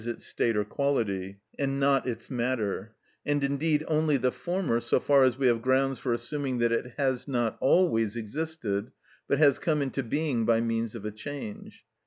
_, its state or quality, and not its matter, and indeed only the former so far as we have grounds for assuming that it has not always existed, but has come into being by means of a change.